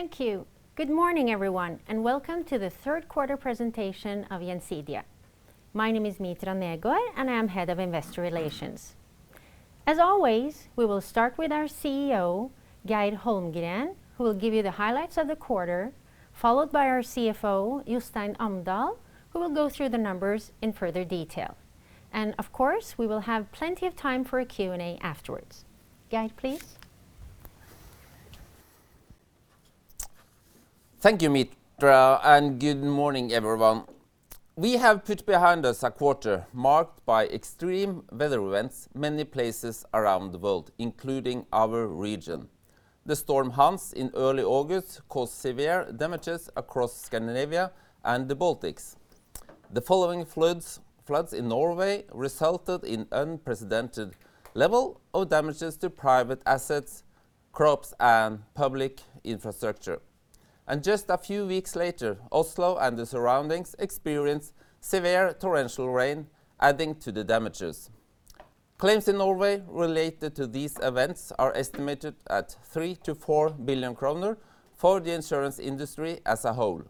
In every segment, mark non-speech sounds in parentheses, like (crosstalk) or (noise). Thank you. Good morning, everyone, and welcome to the third quarter presentation of Gjensidige. My name is Mitra Negård, and I am Head of Investor Relations. As always, we will start with our CEO, Geir Holmgren, who will give you the highlights of the quarter, followed by our CFO, Jostein Amdal, who will go through the numbers in further detail. Of course, we will have plenty of time for a Q&A afterwards. Geir, please? Thank you, Mitra, and good morning, everyone. We have put behind us a quarter marked by extreme weather events, many places around the world, including our region. The Storm Hans in early August caused severe damages across Scandinavia and the Baltics. The following floods in Norway resulted in unprecedented level of damages to private assets, crops, and public infrastructure. Just a few weeks later, Oslo and the surroundings experienced severe torrential rain, adding to the damages. Claims in Norway related to these events are estimated at 3 billion-4 billion kroner for the insurance industry as a whole,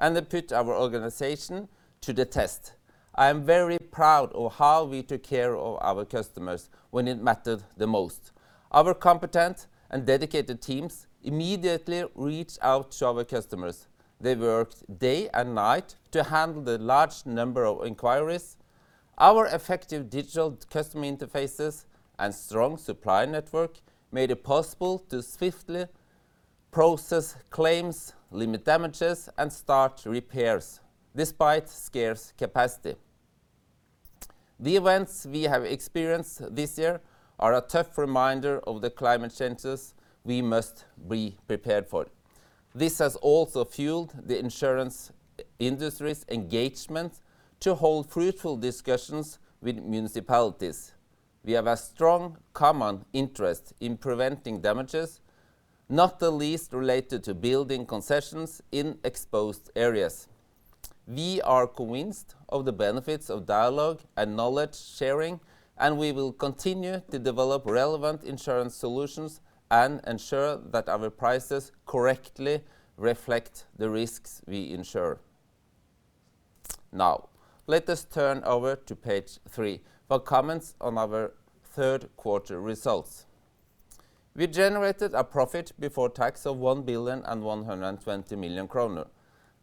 and they put our organization to the test. I am very proud of how we took care of our customers when it mattered the most. Our competent and dedicated teams immediately reached out to our customers. They worked day and night to handle the large number of inquiries. Our effective digital customer interfaces and strong supplier network made it possible to swiftly process claims, limit damages, and start repairs, despite scarce capacity. The events we have experienced this year are a tough reminder of the climate changes we must be prepared for. This has also fueled the insurance industry's engagement to hold fruitful discussions with municipalities. We have a strong common interest in preventing damages, not the least related to building concessions in exposed areas. We are convinced of the benefits of dialogue and knowledge sharing, and we will continue to develop relevant insurance solutions and ensure that our prices correctly reflect the risks we insure. Now, let us turn over to page three for comments on our third quarter results. We generated a profit before tax of 1,120 million kroner.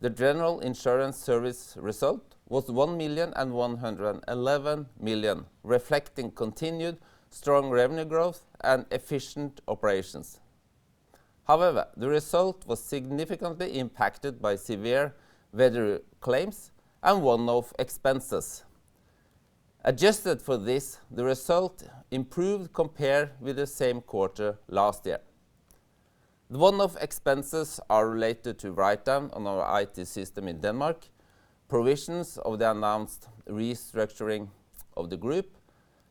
The general insurance service result was 1,111 million, reflecting continued strong revenue growth and efficient operations. However, the result was significantly impacted by severe weather claims and one-off expenses. Adjusted for this, the result improved compared with the same quarter last year. The one-off expenses are related to write-down on our IT system in Denmark, provisions of the announced restructuring of the group,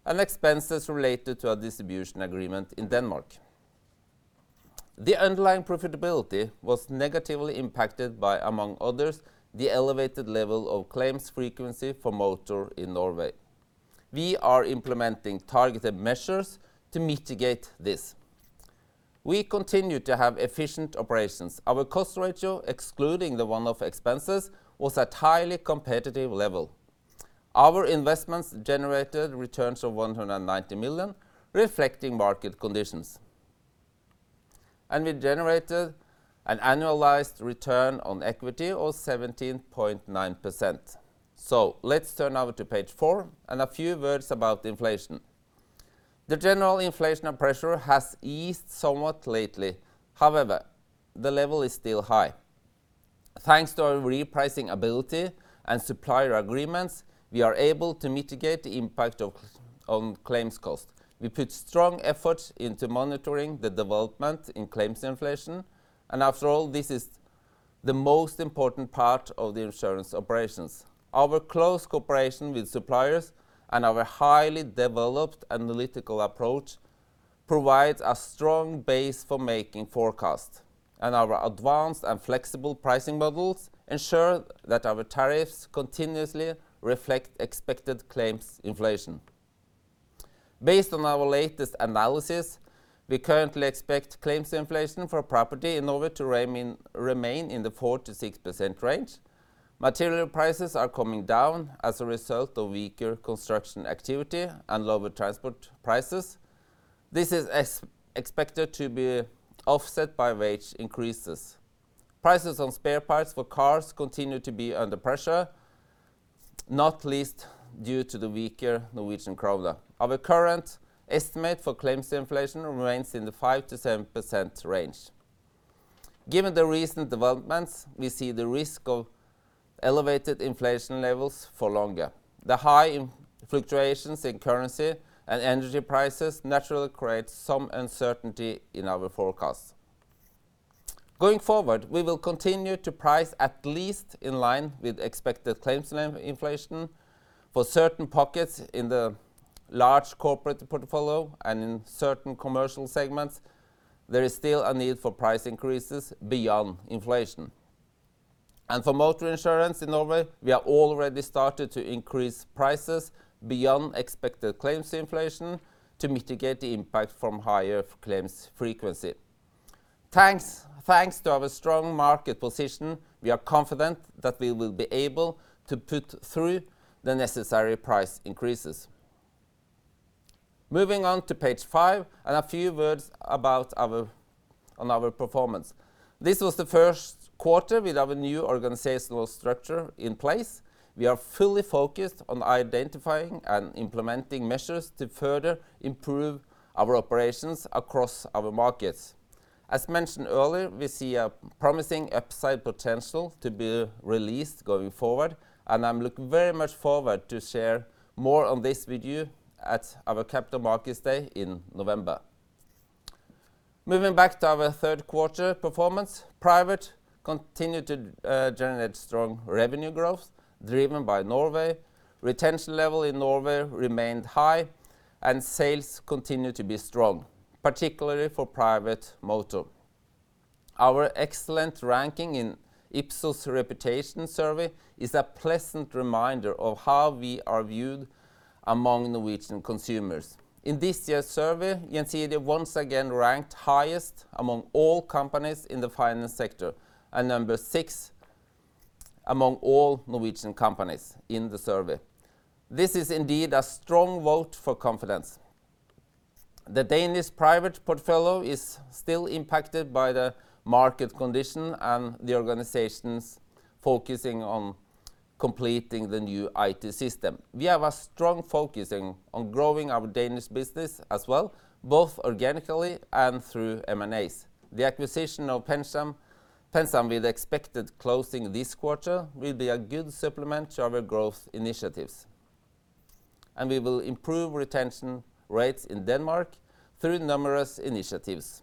and expenses related to a distribution agreement in Denmark. The underlying profitability was negatively impacted by, among others, the elevated level of claims frequency for motor in Norway. We are implementing targeted measures to mitigate this. We continue to have efficient operations. Our cost ratio, excluding the one-off expenses, was at highly competitive level. Our investments generated returns of 190 million, reflecting market conditions. We generated an annualized return on equity of 17.9%. Let's turn over to page four and a few words about inflation. The general inflation of pressure has eased somewhat lately. However, the level is still high. Thanks to our repricing ability and supplier agreements, we are able to mitigate the impact on claims cost. We put strong efforts into monitoring the development in claims inflation, and after all, this is the most important part of the insurance operations. Our close cooperation with suppliers and our highly developed analytical approach provides a strong base for making forecasts, and our advanced and flexible pricing models ensure that our tariffs continuously reflect expected claims inflation. Based on our latest analysis, we currently expect claims inflation for property in order to remain in the 4%-6% range. Material prices are coming down as a result of weaker construction activity and lower transport prices. This is expected to be offset by wage increases. Prices on spare parts for cars continue to be under pressure, not least due to the weaker Norwegian kroner. Our current estimate for claims inflation remains in the 5%-7% range. Given the recent developments, we see the risk of elevated inflation levels for longer. The high fluctuations in currency and energy prices naturally create some uncertainty in our forecasts. Going forward, we will continue to price at least in line with expected claims inflation. For certain pockets in the large corporate portfolio and in certain commercial segments, there is still a need for price increases beyond inflation. For motor insurance in Norway, we have already started to increase prices beyond expected claims inflation to mitigate the impact from higher claims frequency. Thanks, thanks to our strong market position, we are confident that we will be able to put through the necessary price increases. Moving on to page five, and a few words on our performance. This was the first quarter with our new organizational structure in place. We are fully focused on identifying and implementing measures to further improve our operations across our markets. As mentioned earlier, we see a promising upside potential to be released going forward, and I'm looking very much forward to share more on this with you at our Capital Markets Day in November. Moving back to our third quarter performance, Private continued to generate strong revenue growth, driven by Norway. Retention level in Norway remained high, and sales continue to be strong, particularly for private motor. Our excellent ranking in Ipsos Reputation Survey is a pleasant reminder of how we are viewed among Norwegian consumers. In this year's survey, you can see they once again ranked highest among all companies in the finance sector, and number six among all Norwegian companies in the survey. This is indeed a strong vote for confidence. The Danish private portfolio is still impacted by the market condition and the organization's focusing on completing the new IT system. We have a strong focusing on growing our Danish business as well, both organically and through M&A. The acquisition of PenSam, PenSam, with expected closing this quarter, will be a good supplement to our growth initiatives, and we will improve retention rates in Denmark through numerous initiatives.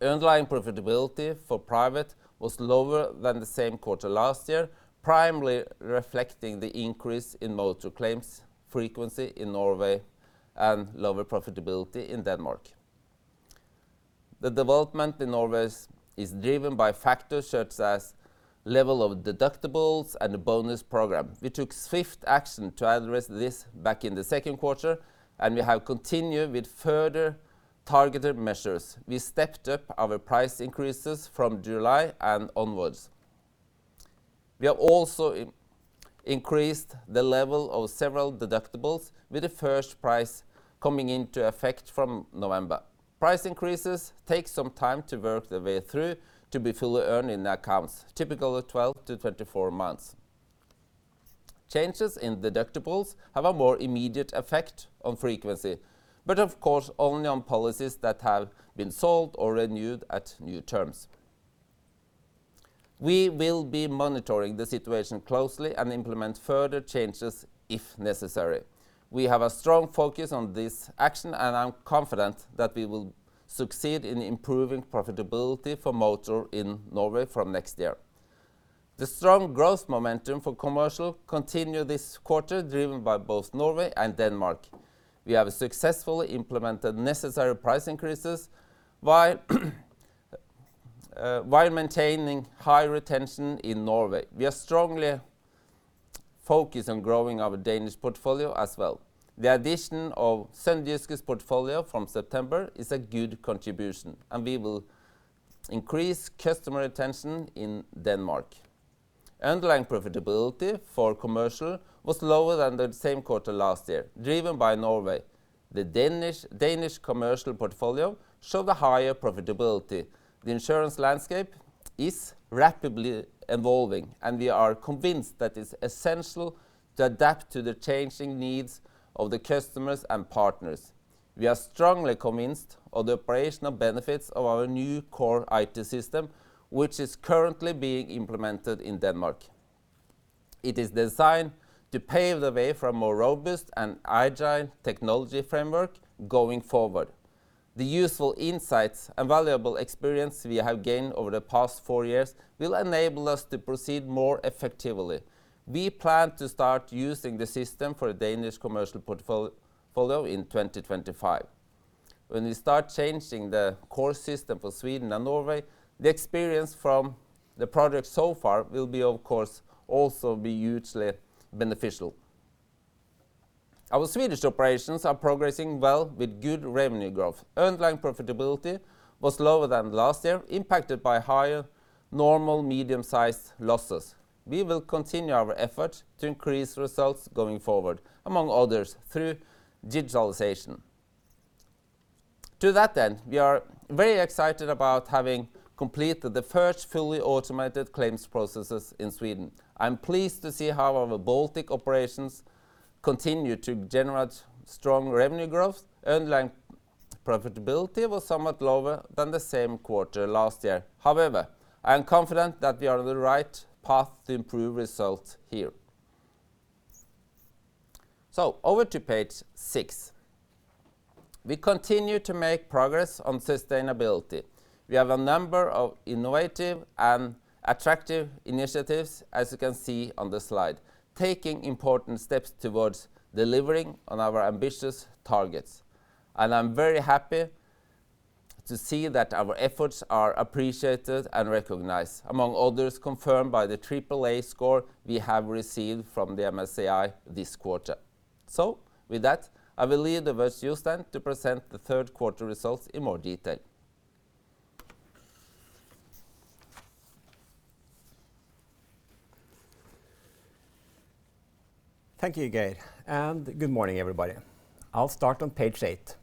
Underlying profitability for Private was lower than the same quarter last year, primarily reflecting the increase in motor claims frequency in Norway and lower profitability in Denmark. The development in Norway is driven by factors such as level of deductibles and the bonus program. We took swift action to address this back in the second quarter, and we have continued with further targeted measures. We stepped up our price increases from July and onwards. We have also increased the level of several deductibles, with the first price coming into effect from November. Price increases take some time to work their way through to be fully earned in the accounts, typically 12-24 months. Changes in deductibles have a more immediate effect on frequency, but of course, only on policies that have been sold or renewed at new terms. We will be monitoring the situation closely and implement further changes if necessary. We have a strong focus on this action, and I'm confident that we will succeed in improving profitability for motor in Norway from next year. The strong growth momentum for Commercial continued this quarter, driven by both Norway and Denmark. We have successfully implemented necessary price increases while maintaining high retention in Norway. We are strongly focused on growing our Danish portfolio as well. The addition of Sønderjysk portfolio from September is a good contribution, and we will increase customer retention in Denmark. Underlying profitability for Commercial was lower than the same quarter last year, driven by Norway. The Danish Commercial portfolio showed a higher profitability. The insurance landscape is rapidly evolving, and we are convinced that it's essential to adapt to the changing needs of the customers and partners. We are strongly convinced of the operational benefits of our new core IT system, which is currently being implemented in Denmark. It is designed to pave the way for a more robust and agile technology framework going forward. The useful insights and valuable experience we have gained over the past four years will enable us to proceed more effectively. We plan to start using the system for the Danish commercial portfolio in 2025. When we start changing the core system for Sweden and Norway, the experience from the project so far will, of course, also be hugely beneficial. Our Swedish operations are progressing well with good revenue growth. Underlying profitability was lower than last year, impacted by higher normal medium-sized losses. We will continue our efforts to increase results going forward, among others, through digitalization. To that end, we are very excited about having completed the first fully automated claims processes in Sweden. I'm pleased to see how our Baltic operations continue to generate strong revenue growth. Underlying profitability was somewhat lower than the same quarter last year. However, I am confident that we are on the right path to improve results here. Over to page six. We continue to make progress on sustainability. We have a number of innovative and attractive initiatives, as you can see on the slide, taking important steps towards delivering on our ambitious targets, and I'm very happy to see that our efforts are appreciated and recognized, among others, confirmed by the AAA score we have received from the MSCI this quarter. With that, I will leave the virtual stand to present the third quarter results in more detail. Thank you, Geir, and good morning, everybody. I'll start on page eight.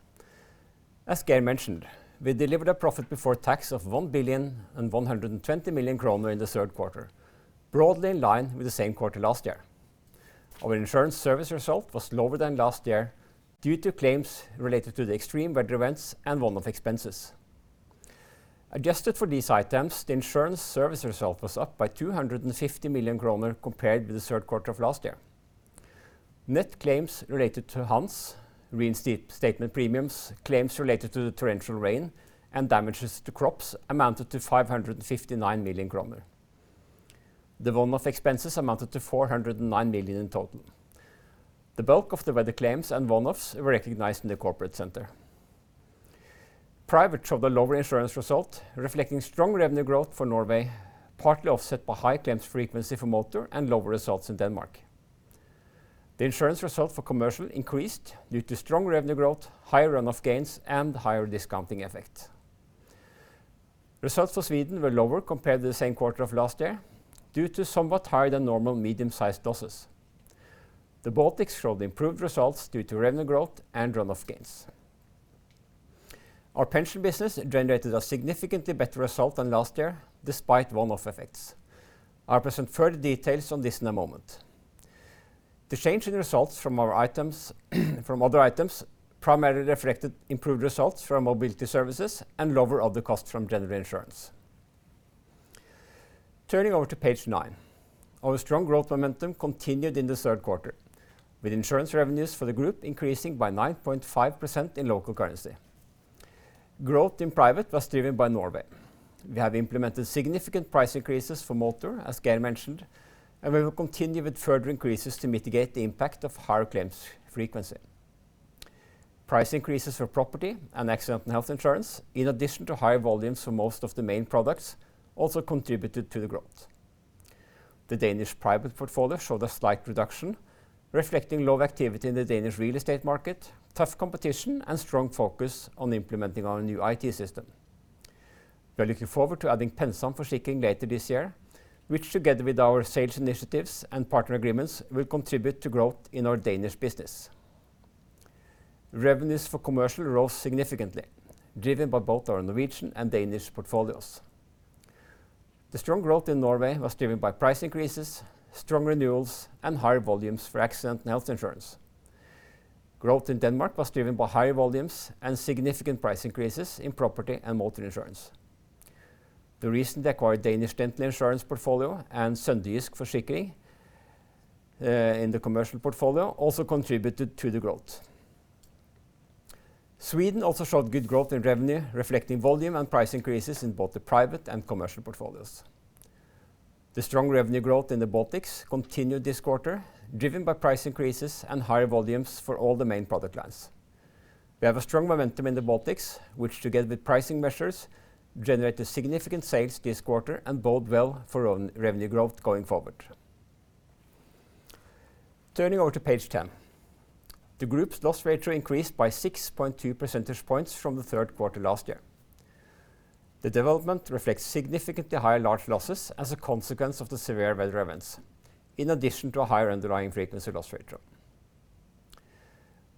As Geir mentioned, we delivered a profit before tax of 1,120 million kroner in the third quarter, broadly in line with the same quarter last year. Our insurance service result was lower than last year due to claims related to the extreme weather events and one-off expenses. Adjusted for these items, the insurance service result was up by 250 million kroner compared with the third quarter of last year. Net claims related to Hans, reinstatement premiums, claims related to the torrential rain, and damages to crops amounted to 559 million kroner. The one-off expenses amounted to 409 million in total. The bulk of the weather claims and one-offs were recognized in the corporate center. Private showed a lower insurance result, reflecting strong revenue growth for Norway, partly offset by high claims frequency for motor and lower results in Denmark. The insurance result for Commercial increased due to strong revenue growth, higher run-off gains, and higher discounting effect. Results for Sweden were lower compared to the same quarter of last year due to somewhat higher than normal medium-sized losses. The Baltics showed improved results due to revenue growth and run-off gains. Our pension business generated a significantly better result than last year, despite one-off effects. I'll present further details on this in a moment. The change in results from Other items primarily reflected improved results from mobility services and lower other costs from general insurance. Turning over to page nine. Our strong growth momentum continued in the third quarter, with insurance revenues for the group increasing by 9.5% in local currency. Growth in Private was driven by Norway. We have implemented significant price increases for motor, as Geir mentioned, and we will continue with further increases to mitigate the impact of higher claims frequency. Price increases for property and accident and health insurance, in addition to higher volumes for most of the main products, also contributed to the growth. The Danish Private portfolio showed a slight reduction, reflecting low activity in the Danish real estate market, tough competition, and strong focus on implementing our new IT system. We are looking forward to adding PenSam Forsikring later this year, which, together with our sales initiatives and partner agreements, will contribute to growth in our Danish business. Revenues for commercial rose significantly, driven by both our Norwegian and Danish portfolios. The strong growth in Norway was driven by price increases, strong renewals, and higher volumes for accident and health insurance. Growth in Denmark was driven by higher volumes and significant price increases in property and motor insurance. The recently acquired Danish dental insurance portfolio and Sønderjysk Forsikring in the commercial portfolio also contributed to the growth. Sweden also showed good growth in revenue, reflecting volume and price increases in both the private and commercial portfolios. The strong revenue growth in the Baltics continued this quarter, driven by price increases and higher volumes for all the main product lines. We have a strong momentum in the Baltics, which, together with pricing measures, generated significant sales this quarter and bode well for revenue growth going forward. Turning over to page 10. The group's loss ratio increased by 6.2 percentage points from the third quarter last year. The development reflects significantly higher large losses as a consequence of the severe weather events, in addition to a higher underlying frequency loss ratio.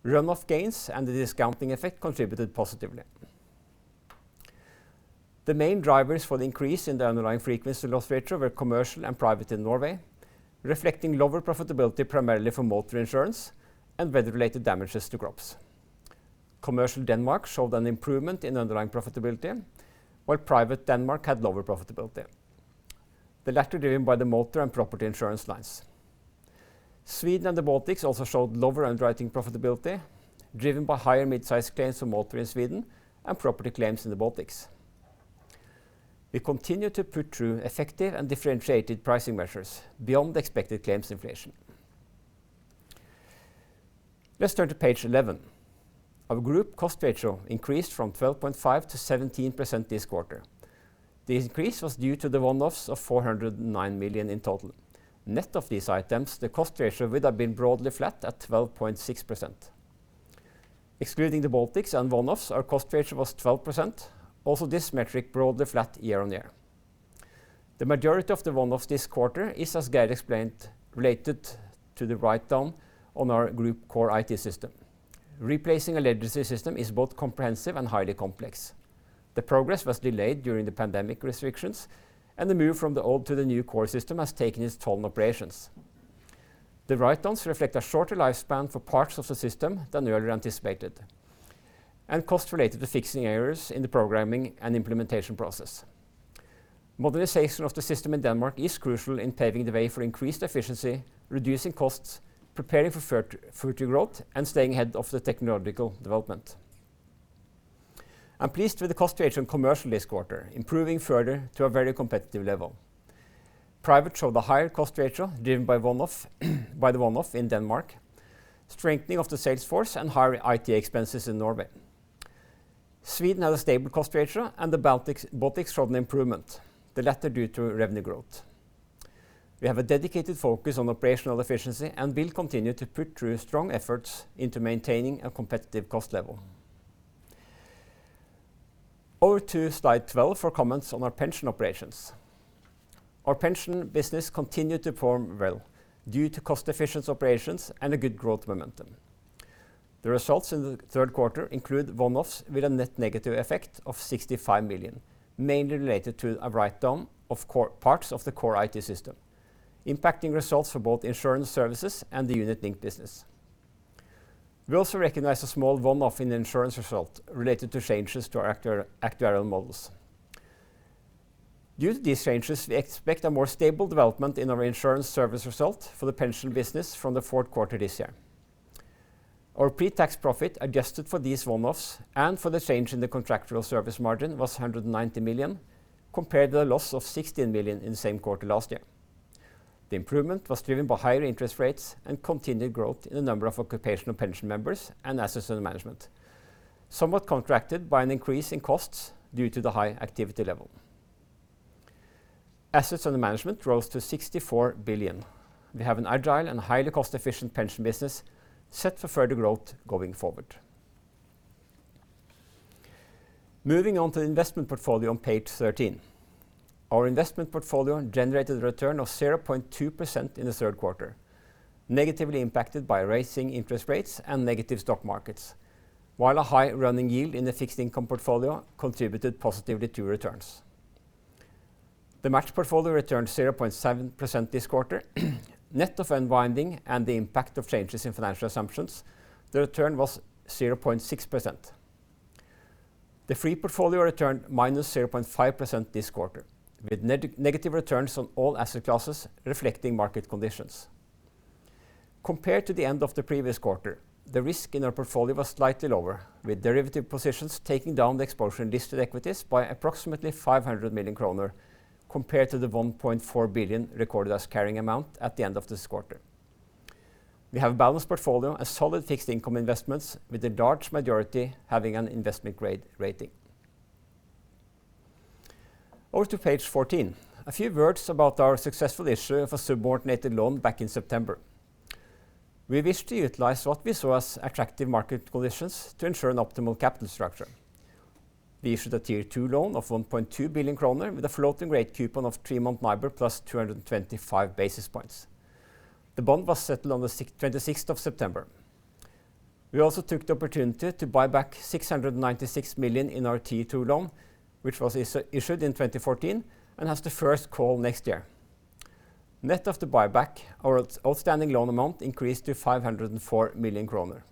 Run-off gains and the discounting effect contributed positively. The main drivers for the increase in the underlying frequency loss ratio were commercial and private in Norway, reflecting lower profitability, primarily for motor insurance and weather-related damages to crops. Commercial Denmark showed an improvement in underlying profitability, while private Denmark had lower profitability, the latter driven by the motor and property insurance lines. Sweden and the Baltics also showed lower underwriting profitability, driven by higher mid-sized claims for motor in Sweden and property claims in the Baltics. We continue to put through effective and differentiated pricing measures beyond the expected claims inflation. Let's turn to page 11. Our group cost ratio increased from 12.5%-17% this quarter. The increase was due to the one-offs of 409 million in total. Net of these items, the cost ratio would have been broadly flat at 12.6%. Excluding the Baltics and one-offs, our cost ratio was 12%. Also, this metric broadly flat year on year. The majority of the one-offs this quarter is, as Geir explained, related to the write-down on our group core IT system. Replacing a legacy system is both comprehensive and highly complex. The progress was delayed during the pandemic restrictions, and the move from the old to the new core system has taken its toll on operations. The write-downs reflect a shorter lifespan for parts of the system than earlier anticipated, and costs related to fixing errors in the programming and implementation process. Modernization of the system in Denmark is crucial in paving the way for increased efficiency, reducing costs, preparing for future growth, and staying ahead of the technological development. I'm pleased with the cost ratio in Commercial this quarter, improving further to a very competitive level. Private showed a higher cost ratio, driven by the one-off in Denmark, strengthening of the sales force, and higher ITA expenses in Norway. Sweden had a stable cost ratio, and the Baltics showed an improvement, the latter due to revenue growth. We have a dedicated focus on operational efficiency and will continue to put through strong efforts into maintaining a competitive cost level. Over to slide 12 for comments on our pension operations. Our pension business continued to perform well due to cost-efficient operations and a good growth momentum. The results in the third quarter include one-offs with a net negative effect of 65 million, mainly related to a write-down of core, parts of the core IT system, impacting results for both insurance services and the unit-linked business. We also recognize a small one-off in the insurance result related to changes to our actuarial models. Due to these changes, we expect a more stable development in our insurance service result for the pension business from the fourth quarter this year. Our pre-tax profit, adjusted for these one-offs and for the change in the contractual service margin, was 190 million, compared to the loss of 16 million in the same quarter last year. The improvement was driven by higher interest rates and continued growth in the number of occupational pension members and assets under management, somewhat contracted by an increase in costs due to the high activity level. Assets under management rose to 64 billion. We have an agile and highly cost-efficient pension business set for further growth going forward. Moving on to the investment portfolio on page 13. Our investment portfolio generated a return of 0.2% in the third quarter, negatively impacted by rising interest rates and negative stock markets, while a high running yield in the fixed income portfolio contributed positively to returns. The match portfolio returned 0.7% this quarter. Net of unwinding and the impact of changes in financial assumptions, the return was 0.6%. The free portfolio returned -0.5% this quarter, with negative returns on all asset classes reflecting market conditions. Compared to the end of the previous quarter, the risk in our portfolio was slightly lower, with derivative positions taking down the exposure in listed equities by approximately 500 million kroner, compared to the 1.4 billion recorded as carrying amount at the end of this quarter. We have a balanced portfolio and solid fixed income investments, with the large majority having an investment grade rating. Over to page 14. A few words about our successful issue of a subordinated loan back in September. We wished to utilize what we saw as attractive market conditions to ensure an optimal capital structure. We issued a Tier 2 loan of 1.2 billion kroner with a floating-rate coupon of three-month NIBOR plus 225 basis points. The bond was settled on September. 26th We also took the opportunity to buy back 696 million in our Tier 2 loan, which was issued in 2014 and has the first call next year. Net of the buyback, our outstanding loan amount increased to 504 million kroner.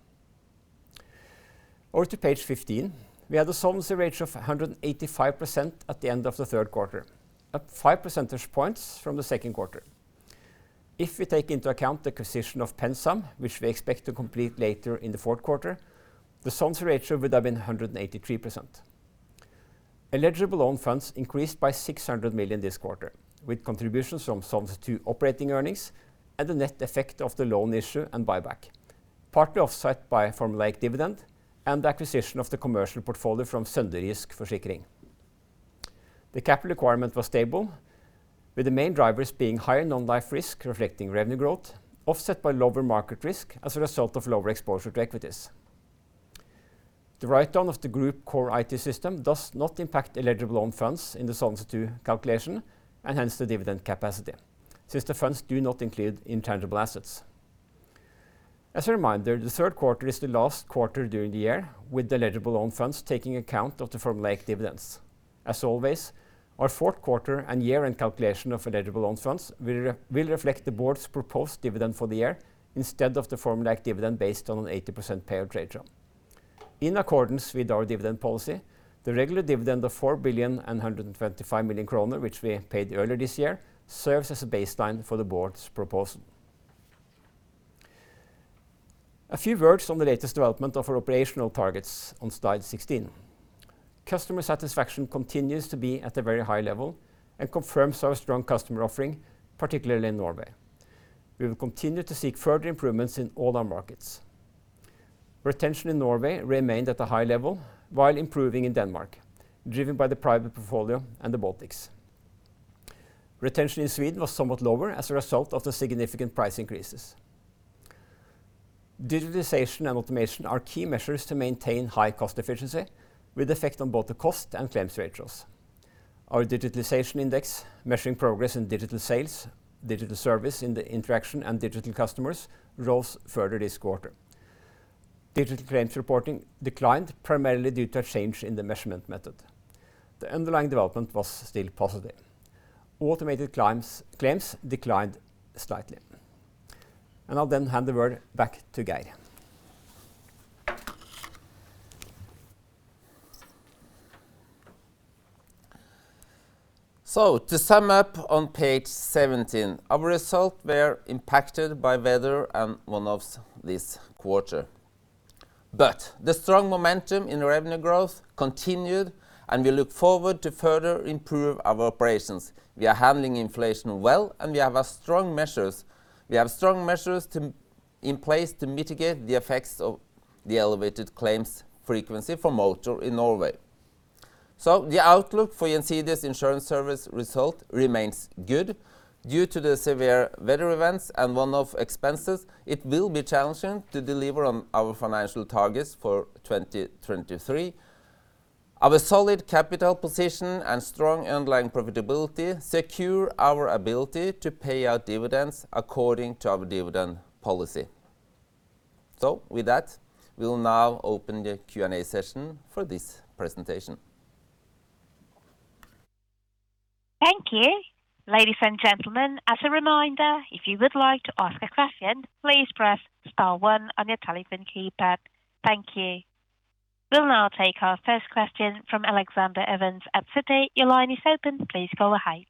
Over to page 15. We had a solvency ratio of 185% at the end of the third quarter, up five percentage points from the second quarter. If we take into account the acquisition of PenSam, which we expect to complete later in the fourth quarter, the solvency ratio would have been 183%. Eligible own funds increased by 600 million this quarter, with contributions from Solvency II operating earnings and the net effect of the loan issue and buyback, partly offset by formulaic dividend and the acquisition of the commercial portfolio from Sønderjysk Forsikring. The capital requirement was stable, with the main drivers being higher non-life risk, reflecting revenue growth, offset by lower market risk as a result of lower exposure to equities. The write-down of the group core IT system does not impact eligible own funds in the Solvency II calculation, and hence the dividend capacity, since the funds do not include intangible assets. As a reminder, the third quarter is the last quarter during the year, with the eligible own funds taking account of the formulaic dividends. As always, our fourth quarter and year-end calculation of eligible own funds will reflect the Board's proposed dividend for the year instead of the formulaic dividend based on an 80% payout ratio. In accordance with our dividend policy, the regular dividend of 4,125 million kroner, which we paid earlier this year, serves as a baseline for the Board's proposal. A few words on the latest development of our operational targets on slide 16. Customer satisfaction continues to be at a very high level and confirms our strong customer offering, particularly in Norway. We will continue to seek further improvements in all our markets. Retention in Norway remained at a high level while improving in Denmark, driven by the private portfolio and the Baltics. Retention in Sweden was somewhat lower as a result of the significant price increases. Digitalization and automation are key measures to maintain high cost efficiency, with effect on both the cost and claims ratios. Our digitalization index, measuring progress in digital sales, digital service in the interaction, and digital customers, rose further this quarter. Digital claims reporting declined, primarily due to a change in the measurement method. The underlying development was still positive. Automated claims declined slightly. I'll then hand the word back to Geir. To sum up on page 17, our results were impacted by weather and one-offs this quarter, but the strong momentum in revenue growth continued, and we look forward to further improve our operations. We are handling inflation well, and we have strong measures in place to mitigate the effects of the elevated claims frequency for motor in Norway. The outlook for Gjensidige Insurance Service result remains good. Due to the severe weather events and one-off expenses, it will be challenging to deliver on our financial targets for 2023. Our solid capital position and strong underlying profitability secure our ability to pay out dividends according to our dividend policy. With that, we will now open the Q&A session for this presentation. Thank you. Ladies and gentlemen, as a reminder, if you would like to ask a question, please press star one on your telephone keypad. Thank you. We'll now take our first question from Alexander Evans at Citi. Your line is open, please go ahead.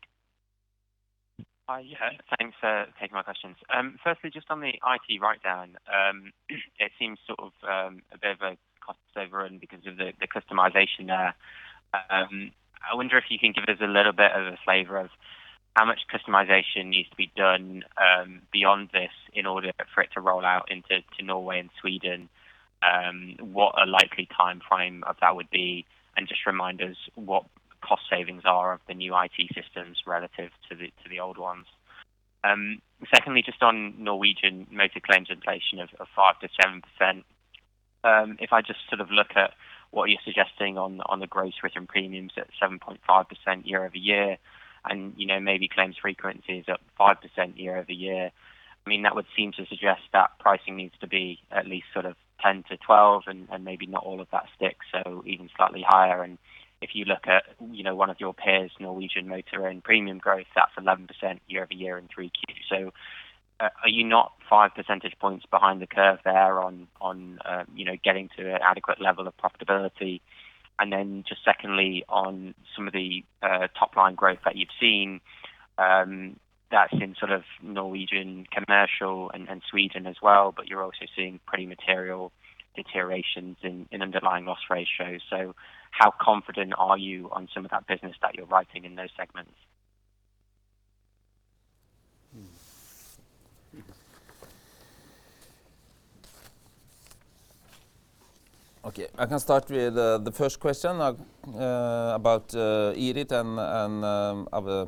Hi. Yeah, thanks for taking my questions. Firstly, just on the IT write-down, it seems sort of a bit of a cost overrun because of the customization there. I wonder if you can give us a little bit of a flavor of how much customization needs to be done beyond this in order for it to roll out into Norway and Sweden? What a likely time frame of that would be, and just remind us what cost savings are of the new IT systems relative to the old ones. Secondly, just on Norwegian motor claims inflation of 5%-7%. If I just sort of look at what you're suggesting on the gross written premiums at 7.5% year-over-year, and, you know, maybe claims frequency is at 5% year-over-year, I mean, that would seem to suggest that pricing needs to be at least sort of 10-12, and maybe not all of that sticks, so even slightly higher. If you look at, you know, one of your peers, Norwegian Motor, and premium growth, that's 11% year-over-year in 3Q. Are you not five percentage points behind the curve there on, you know, getting to an adequate level of profitability? Just secondly, on some of the top-line growth that you've seen, that's in sort of Norwegian Commercial and Sweden as well, but you're also seeing pretty material deteriorations in underlying loss ratios. How confident are you on some of that business that you're writing in those segments? I can start with the first question about Guidewire and our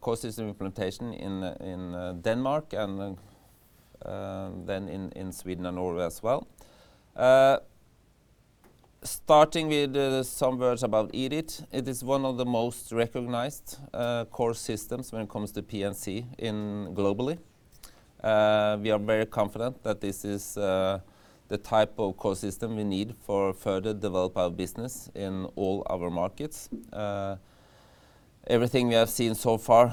core system implementation in Denmark and then in Sweden and Norway as well. Starting with some words about Guidewire. It is one of the most recognized core systems when it comes to P&C globally. We are very confident that this is the type of core system we need for further develop our business in all our markets. Everything we have seen so far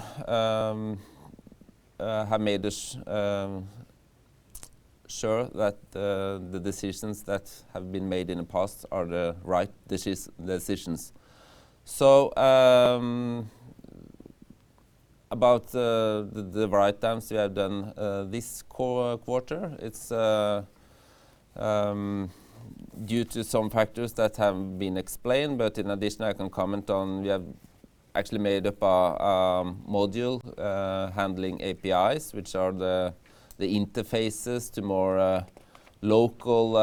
have made us sure that the decisions that have been made in the past are the right decisions. About the writedowns we have done this quarter, it's due to some factors that have been explained. In addition, I can comment on, we have actually made up a module handling APIs, which are the interfaces to more local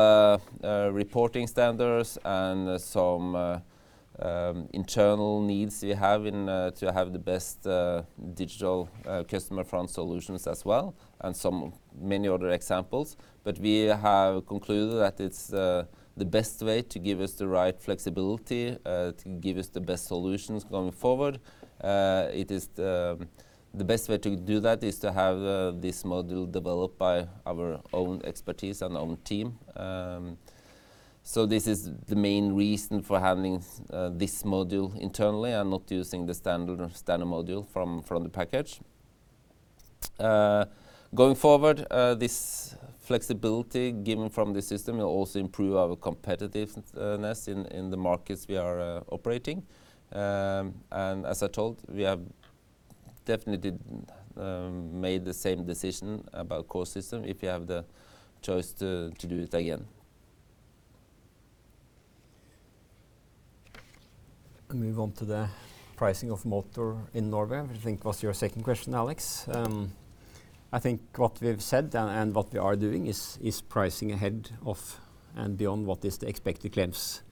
reporting standards and some internal needs we have in to have the best digital customer front solutions as well, and some many other examples. We have concluded that it's the best way to give us the right flexibility to give us the best solutions going forward. The best way to do that is to have this module developed by our own expertise and own team. This is the main reason for having this module internally and not using the standard module from the package. Going forward, this flexibility given from the system will also improve our competitiveness in the markets we are operating. As I told, we have definitely made the same decision about core system, if we have the choice to do it again. Move on to the pricing of motor in Norway, which I think was your second question, Alex. I think what we've said and what we are doing is pricing ahead of and beyond what is the expected claims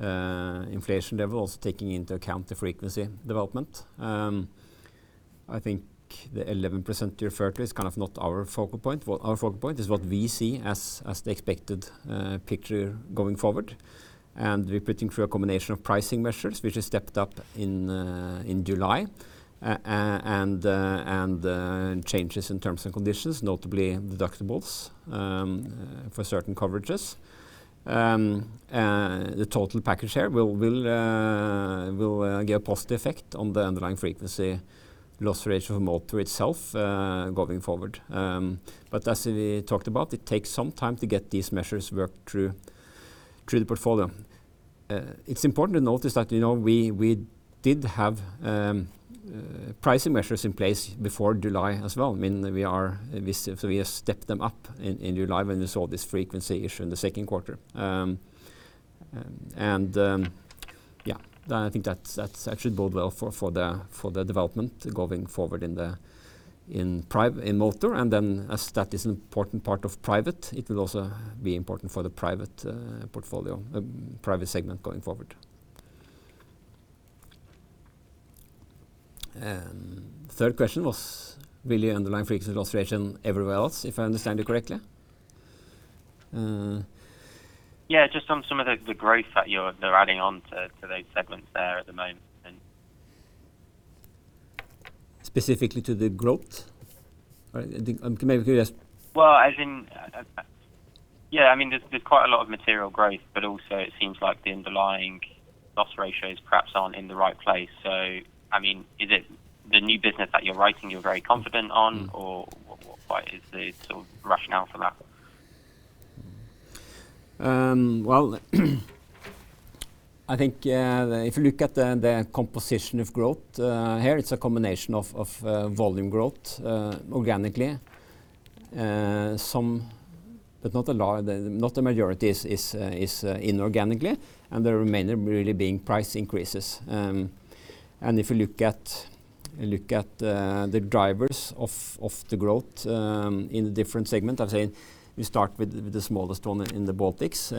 inflation level, also taking into account the frequency development. I think the 11% you referred to is kind of not our focal point. What our focal point is what we see as the expected picture going forward. We're putting through a combination of pricing measures, which is stepped up in July, and changes in terms and conditions, notably deductibles, for certain coverages. The total package here will give positive effect on the underlying frequency loss ratio for motor itself going forward. As we talked about, it takes some time to get these measures worked through the portfolio. It's important to notice that, you know, we did have pricing measures in place before July as well, meaning that we have stepped them up in July when we saw this frequency issue in the second quarter. Yeah, I think that's actually bode well for the development going forward in motor, and then as that is an important part of private, it will also be important for the private portfolio, private segment going forward. Third question was really underlying frequency loss ratio everywhere else, if I understand you correctly? Yeah, just on some of the growth that they're adding on to those segments there at the moment, and? Specifically to the growth? I think maybe yes. Well, I think, yeah, I mean, that's quite a lot of materials growth, but also it seams like the underlying, the ratios perhaps aren't in the right place. So I mean, is it the new business that you're writing, you're confident on? Or why is it so rushing out from that? Well, I think if you look at the composition of growth here, it's a combination of volume growth organically, some, but not a lot, not the majority is inorganically, and the remainder really being price increases. If you look at the drivers of the growth in the different segment, I'm saying we start with the smallest one in the Baltics.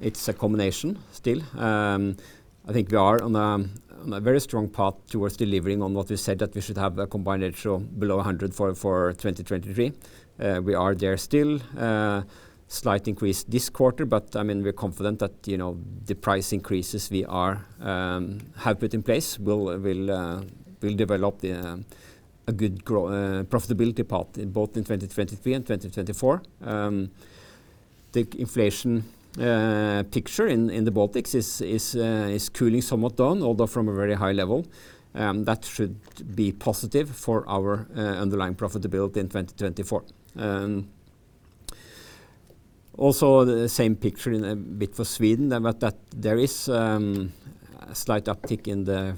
It's a combination still. I think we are on a very strong path towards delivering on what we said, that we should have a combined ratio below 100 for 2023. We are there still, slight increase this quarter, but, I mean, we're confident that, you know, the price increases we have put in place will develop a good grow profitability path in both in 2023 and 2024. The inflation picture in the Baltics is cooling somewhat down, although from a very high level, that should be positive for our underlying profitability in 2024. Also, the same picture in a bit for Sweden, but that there is a slight uptick in the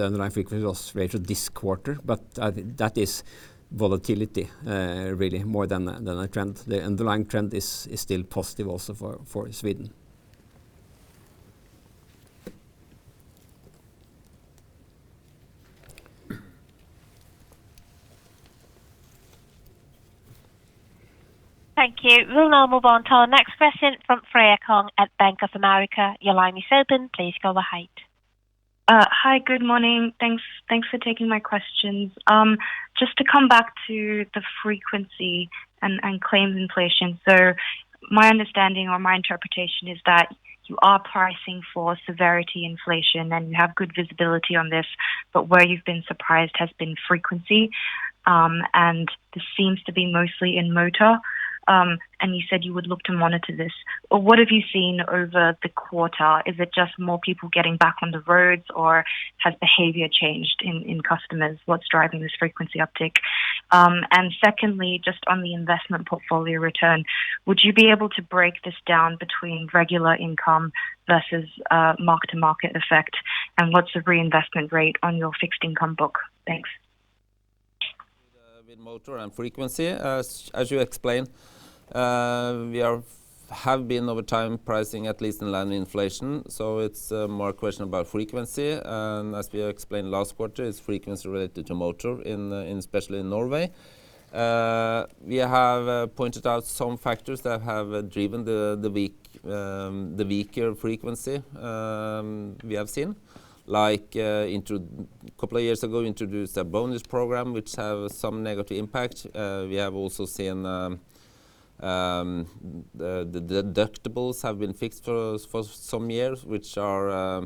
underlying frequency loss ratio this quarter, but that is volatility really more than a trend. The underlying trend is still positive also for Sweden. Thank you. We'll now move on to our next question from Freya Kong at Bank of America. Your line is open. Please go ahead. Hi, good morning. Thanks for taking my questions. Just to come back to the frequency and claims inflation. My understanding or my interpretation is that you are pricing for severity inflation, and you have good visibility on this, but where you've been surprised has been frequency. This seems to be mostly in motor. You said you would look to monitor this, or what have you seen over the quarter? Is it just more people getting back on the roads, or has behavior changed in customers? What's driving this frequency uptick? Secondly, just on the investment portfolio return, would you be able to break this down between regular income versus mark-to-market effect? What's the reinvestment rate on your fixed-income book? Thanks. With motor and frequency, as you explained, we have been over time pricing, at least in line with inflation, so it's more a question about frequency. As we explained last quarter, it's frequency related to motor in especially in Norway. We have pointed out some factors that have driven the weaker frequency we have seen. Like couple of years ago, introduced a bonus program which have some negative impact. We have also seen the deductibles have been fixed for some years, which are,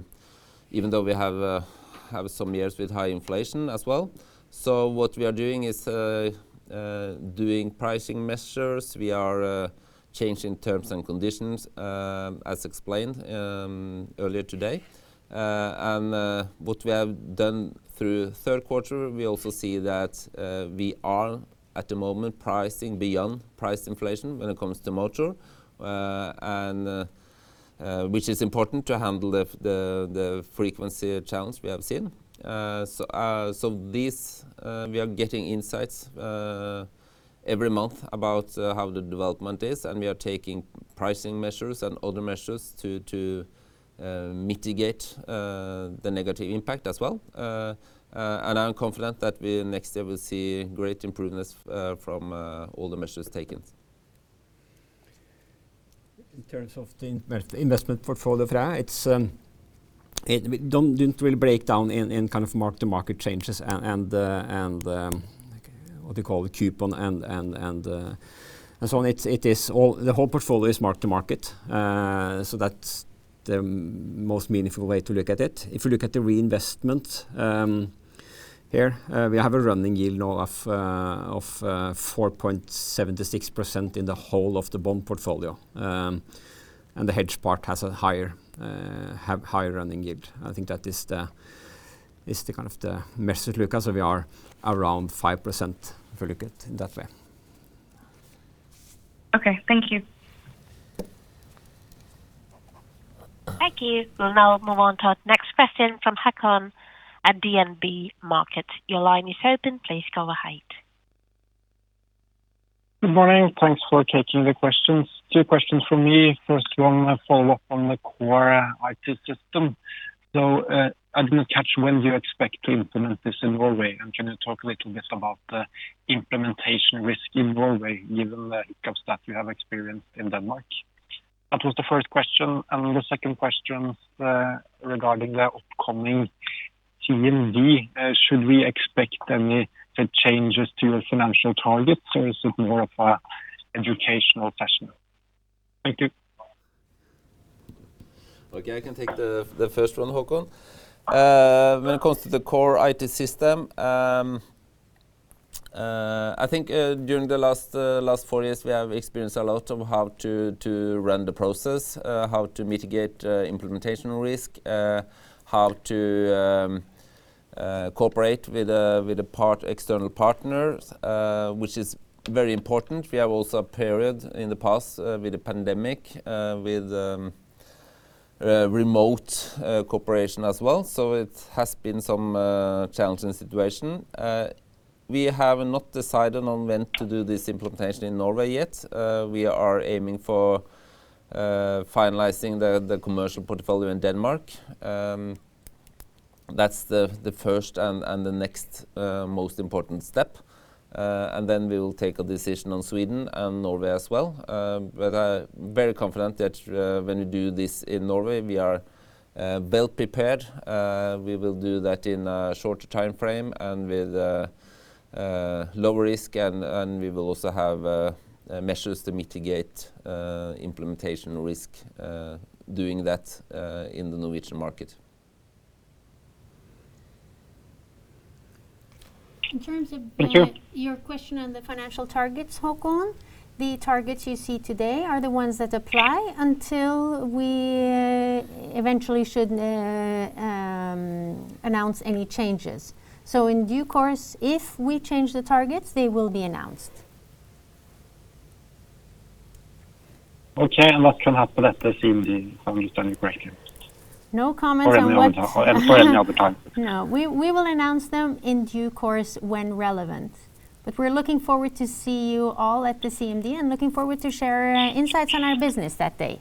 even though we have some years with high inflation as well. What we are doing is doing pricing measures. We are changing terms and conditions as explained earlier today. What we have done through third quarter, we also see that we are, at the moment, pricing beyond price inflation when it comes to motor, and which is important to handle the frequency challenge we have seen. So this, we are getting insights every month about how the development is, and we are taking pricing measures and other measures to mitigate the negative impact as well. I'm confident that we next year will see great improvements from all the measures taken. In terms of the investment portfolio, Freya, it's, we don't, didn't really break down in kind of mark-to-market changes and what do you call it? Coupon and so on. It's, it is all the whole portfolio is mark to market. That's the most meaningful way to look at it. If you look at the reinvestment here, we have a running yield now of 4.76% in the whole of the bond portfolio. The hedge part has a higher, have higher running yield. I think that is the- Is the kind of the message, Lukas, so we are around 5% if you look at it in that way. Okay, thank you. Thank you. We'll now move on to our next question from Håkon at DNB Markets. Your line is open. Please go ahead. Good morning. Thanks for taking the questions. Two questions from me. First one, a follow-up on the core IT system. I didn't catch when do you expect to implement this in Norway? Can you talk a little bit about the implementation risk in Norway, given the hiccups that you have experienced in Denmark? That was the first question. The second question regarding the upcoming CMD, should we expect any changes to your financial targets, or is it more of a educational session? Thank you. Okay, I can take the first one, Håkon. When it comes to the core IT system, I think during the last four years, we have experienced a lot of how to run the process, how to mitigate implementation risk, how to cooperate with the external partners, which is very important. We have also a period in the past with the pandemic, with remote cooperation as well, so it has been some challenging situation. We have not decided on when to do this implementation in Norway yet. We are aiming for finalizing the commercial portfolio in Denmark. That's the first and the next most important step, and then we will take a decision on Sweden and Norway as well. I very confident that, when you do this in Norway, we are well prepared. We will do that in a shorter timeframe and with lower risk, and we will also have measures to mitigate implementation risk doing that in the Norwegian market. Thank you. In terms of your question on the financial targets, Håkon, the targets you see today are the ones that apply until we eventually should announce any changes. In due course, if we change the targets, they will be announced. Okay, and what can happen at the CMD? I understand your question. No comments on what. Sorry, another time. No. We will announce them in due course when relevant. We're looking forward to see you all at the CMD and looking forward to share insights on our business that day.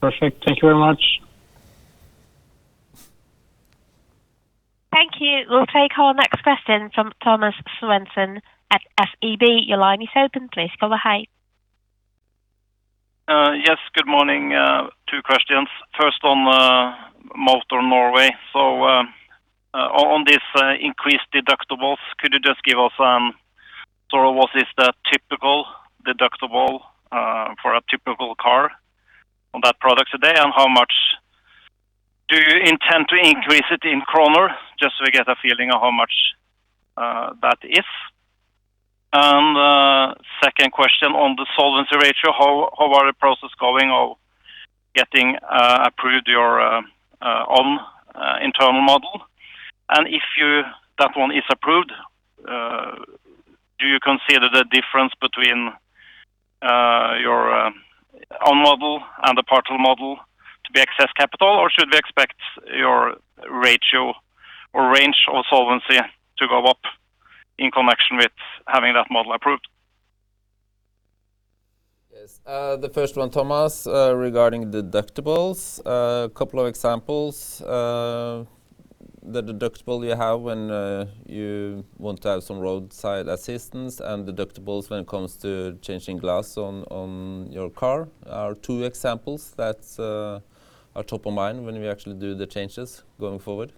Perfect. Thank you very much. Thank you. We'll take our next question from Thomas Svendsen at SEB. Your line is open. Please go ahead. Yes, good morning. Two questions. First, on Motor Norway. On this increased deductibles, could you just give us sort of what is the typical deductible for a typical car on that product today? How much do you intend to increase it in Norwegian kroner, just so we get a feeling of how much that is? Second question on the solvency ratio, how are the process going of getting approved your own internal model? If that one is approved, do you consider the difference between your own model and the partial model to be excess capital, or should we expect your ratio or range of solvency to go up in connection with having that model approved? Yes. The first one, Thomas, regarding deductibles, couple of examples. The deductible you have when you want to have some roadside assistance and deductibles when it comes to changing glass on your car are two examples that are top of mind when we actually do the changes going forward.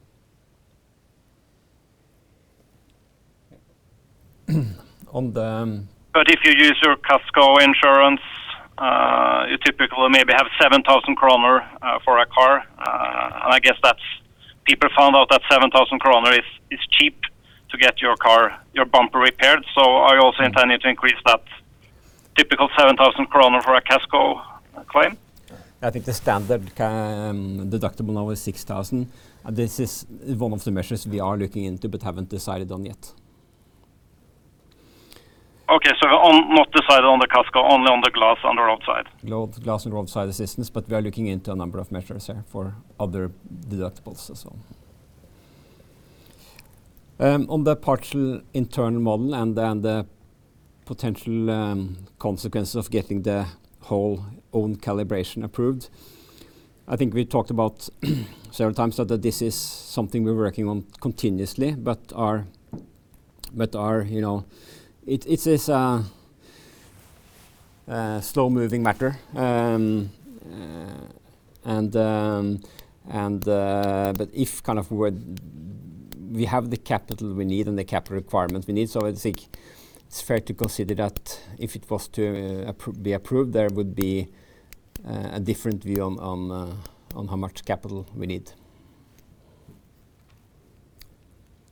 On the. If you use your Casco insurance, you typically maybe have 7,000 kroner for a car. People found out that 7,000 kroner is cheap to get your car, your bumper repaired, so are you also intending to increase that typical 7,000 kroner for a Casco claim? I think the standard deductible now is 6,000. This is one of the measures we are looking into but haven't decided on yet. Okay. Not decided on the Casco, only on the glass, on the roadside. Glass and roadside assistance, but we are looking into a number of measures here for other deductibles as well. On the partial internal model and then the potential consequences of getting the whole own calibration approved, I think we talked about several times that this is something we're working on continuously, but you know, it is a slow-moving matter. We have the capital we need and the capital requirements we need. I think it's fair to consider that if it was to be approved, there would be a different view on how much capital we need.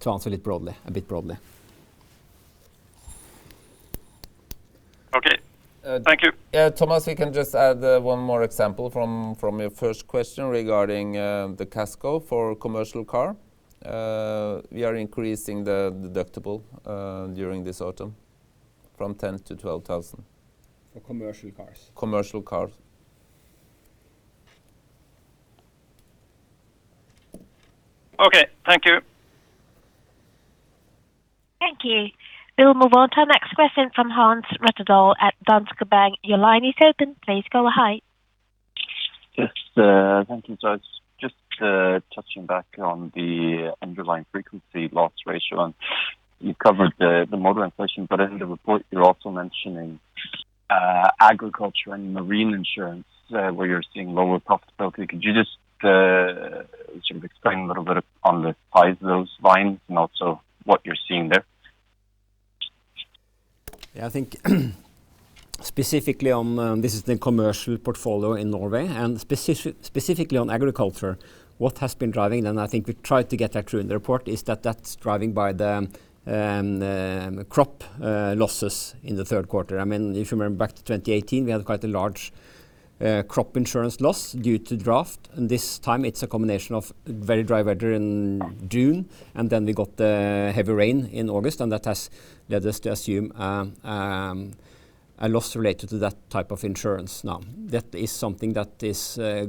To answer it broadly, a bit broadly. Thank you. Thomas, we can just add one more example from your first question regarding the Casco for commercial car. We are increasing the deductible during this autumn from 10 thousand-12 thousand. For commercial cars? Commercial cars. Okay, thank you. Thank you. We will move on to our next question from Hans Rettedal at Danske Bank. Your line is open. Please go ahead. Yes, thank you. Just touching back on the underlying frequency loss ratio, and you covered the model inflation, but in the report, you're also mentioning agriculture and marine insurance where you're seeing lower profitability. Could you just sort of explain a little bit on the size of those lines and also what you're seeing there? Yeah, I think specifically on, this is the commercial portfolio in Norway, and specifically on agriculture, what has been driving, and I think we tried to get that through in the report, is that that's driving by the crop losses in the third quarter. I mean, if you remember back to 2018, we had quite a large crop insurance loss due to drought, and this time it's a combination of very dry weather in June, and then we got the heavy rain in August, and that has led us to assume a loss related to that type of insurance now. That is something that is a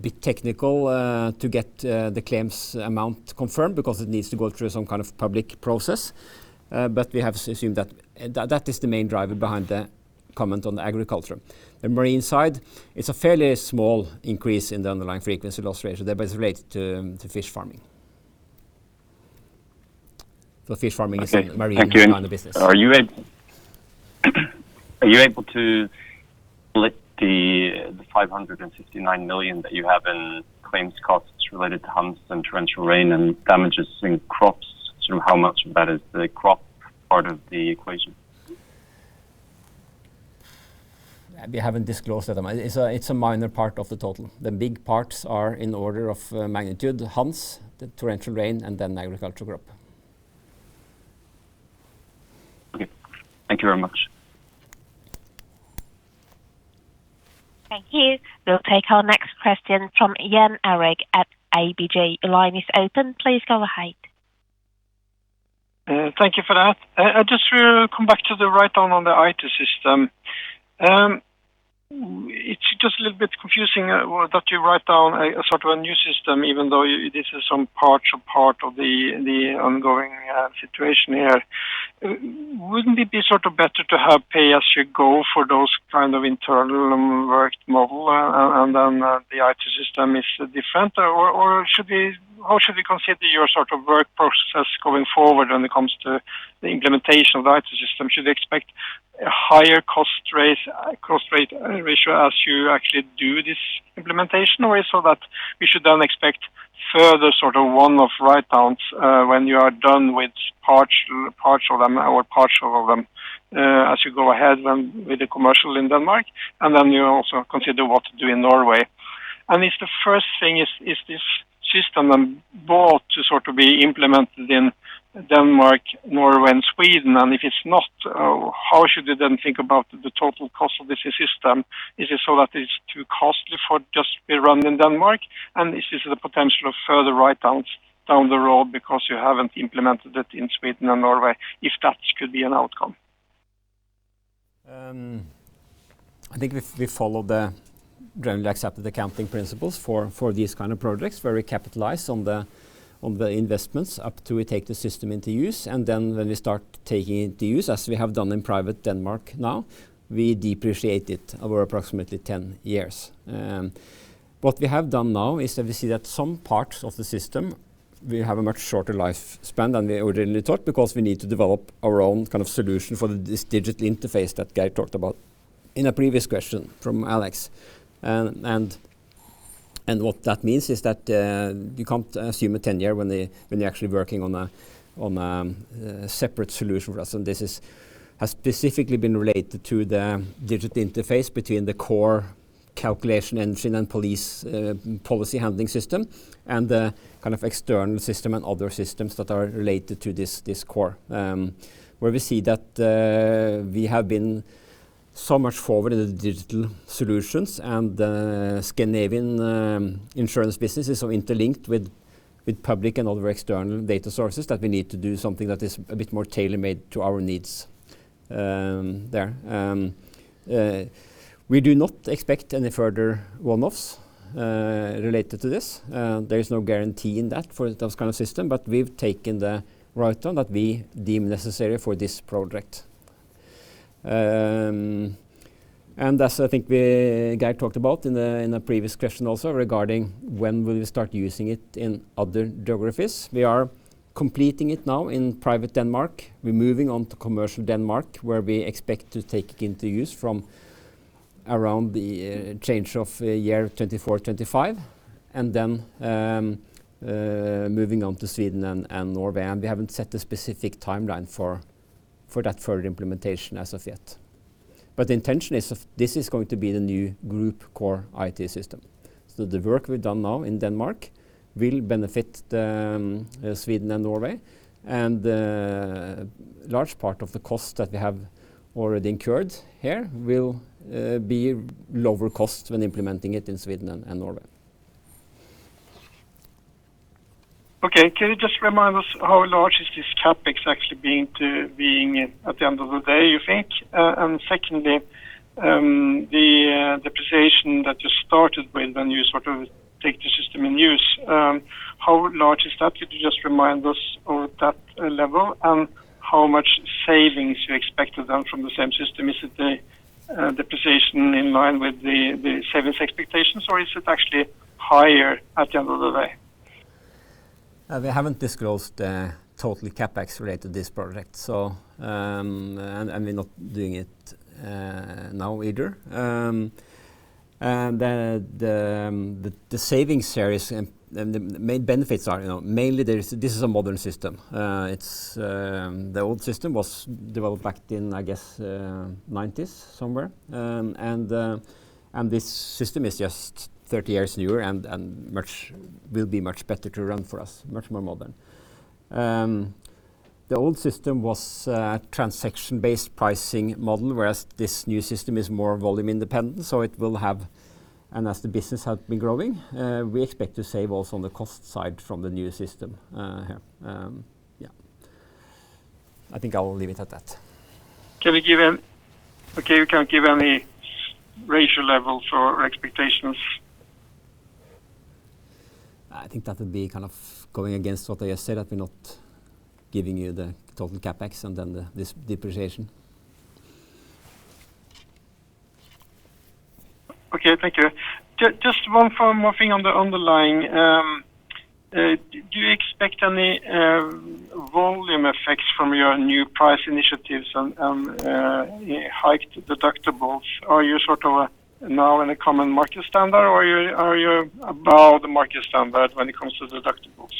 bit technical to get the claims amount confirmed because it needs to go through some kind of public process. We have assumed that that is the main driver behind the comment on the agriculture. The marine side, it's a fairly small increase in the underlying frequency loss ratio there, but it's related to fish farming. Fish farming is a marine. Side of the business. Are you able to split the 559 million that you have in claims costs related to Hans and torrential rain and damages in crops? Sort of how much of that is the crop part of the equation? We haven't disclosed that. It's a minor part of the total. The big parts are in order of magnitude, Hans, the torrential rain, and then agriculture crop. Okay. Thank you very much. Thank you. We'll take our next question from Jan Erik at ABG. Your line is open. Please go ahead. Thank you for that. I just wanna come back to the write-down on the I.T. system. It's just a little bit confusing, well, that you write down a sort of a new system, even though this is some partial part of the ongoing situation here. Wouldn't it be sort of better to have pay-as-you-go for those kind of internal work model, and then the I.T. system is different, or how should we consider your sort of work processes going forward when it comes to the implementation of the I.T. system? Should we expect a higher cost rate ratio as you actually do this implementation? Or so that we should then expect further sort of one-off write-downs when you are done with parts of them or partial of them as you go ahead then with the commercial in Denmark, and then you also consider what to do in Norway? If the first thing is, is this system on board to sort of be implemented in Denmark, Norway, and Sweden, and if it's not, how should you then think about the total cost of this system? Is it so that it's too costly for just to be run in Denmark? Is this the potential of further write-downs down the road because you haven't implemented it in Sweden and Norway, if that could be an outcome? I think we follow the generally accepted accounting principles for these kind of projects, where we capitalize on the investments up till we take the system into use, and then when we start taking it into use, as we have done in Private Denmark now, we depreciate it over approximately 10 years. What we have done now is that we see that some parts of the system will have a much shorter lifespan than we originally thought, because we need to develop our own kind of solution for this digital interface that Geir talked about in a previous question from Alex. What that means is that you can't assume a 10-year when you're actually working on a separate solution for us. This has specifically been related to the digital interface between the core calculation engine and policy handling system and the kind of external system and other systems that are related to this core. Where we see that we have been so much forward in the digital solutions and Scandinavian insurance business is so interlinked with public and other external data sources, that we need to do something that is a bit more tailor-made to our needs there. We do not expect any further one-offs related to this. There is no guarantee in that for those kind of system, but we've taken the write-down that we deem necessary for this project. That's, I think, Geir talked about in a previous question also regarding when will we start using it in other geographies. We are completing it now in private Denmark. We're moving on to commercial Denmark, where we expect to take it into use from around the change of year 2024-2025, and then moving on to Sweden and Norway. We haven't set a specific timeline for that further implementation as of yet. The intention is of this is going to be the new group core IT system. The work we've done now in Denmark will benefit Sweden and Norway, and large part of the cost that we have already incurred here will be lower costs when implementing it in Sweden and Norway. Okay. Can you just remind us how large is this CapEx actually being at the end of the day, you think? Secondly, the precision that you started with when you sort of take the system in use, how large is that? Could you just remind us of that level, and how much savings you expect to down from the same system? Is it the precision in line with the savings expectations, or is it actually higher at the end of the day? We haven't disclosed the total CapEx related to this project, so and we're not doing it now either. The savings there is, and the main benefits are, you know, mainly there is, this is a modern system. The old system was developed back in, I guess, 1990s, somewhere. This system is just 30 years newer and will be much better to run for us, much more modern. The old system was a transaction-based pricing model, whereas this new system is more volume independent, so it will have, as the business has been growing, we expect to save also on the cost side from the new system here. Yeah. I think I will leave it at that. Okay you can't give any ratio levels or expectations? I think that would be kind of going against what I just said, that we're not giving you the total CapEx and then this depreciation. Okay, thank you. Just one more thing on the underlying, do you expect any volume effects from your new price initiatives and hiked deductibles? Are you sort of now in a common market standard, or are you above the market standard when it comes to deductibles?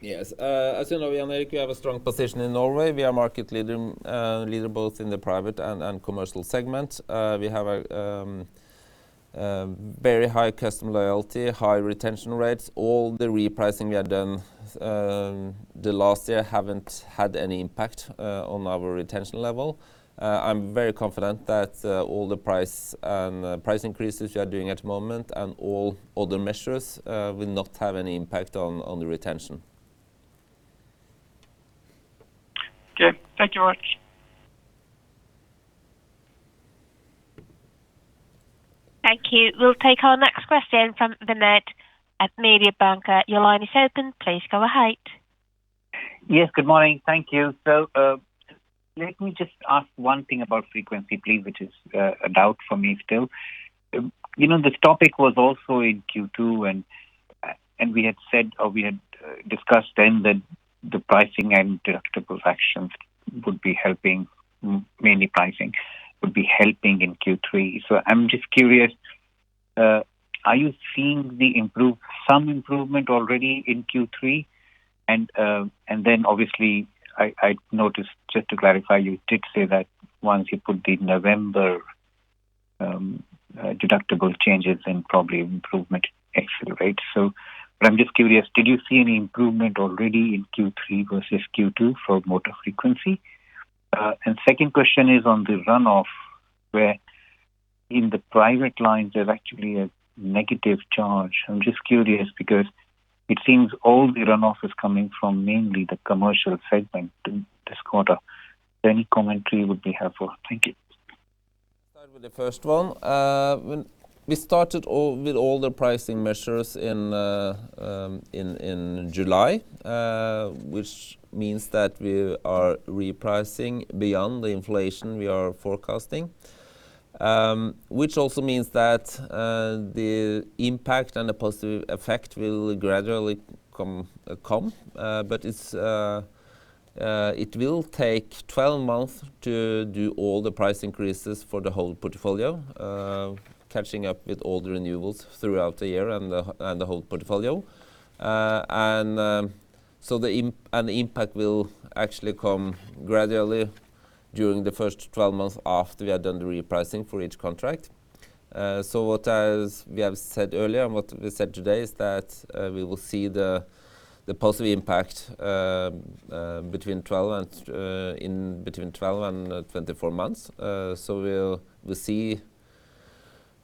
Yes. As you know, Jan Erik, we have a strong position in Norway. We are market leading leader both in the private and commercial segment. We have a very high customer loyalty, high retention rates. All the repricing we have done the last year haven't had any impact on our retention level. I'm very confident that all the price and price increases we are doing at the moment, and all other measures, will not have any impact on the retention. Okay. Thank you much. Thank you. We'll take our next question from Vinit at Mediobanca. Your line is open. Please go ahead. Yes, good morning. Thank you. Let me just ask one thing about frequency, please, which is a doubt for me still. You know, this topic was also in Q2, and we had said, or we had discussed then that the pricing and deductible actions would be helping, mainly pricing, would be helping in Q3. I'm just curious, are you seeing some improvement already in Q3? Obviously, I noticed just to clarify, you did say that once you put the November deductible changes and probably improvement accelerate. I'm just curious, did you see any improvement already in Q3 versus Q2 for motor frequency? Second question is on the run-off, where in the private lines, there's actually a negative charge. I'm just curious because it seems all the run-off is coming from mainly the commercial segment in this quarter. Any commentary would be helpful. Thank you. Start with the first one. When we started all, with all the pricing measures in July, which means that we are repricing beyond the inflation we are forecasting. Which also means that the impact and the positive effect will gradually come, but it will take 12 months to do all the price increases for the whole portfolio, catching up with all the renewals throughout the year and the whole portfolio. The impact will actually come gradually during the first 12 months after we have done the repricing for each contract. What, as we have said earlier and what we said today, is that we will see the positive impact between 12 and 24 months. We see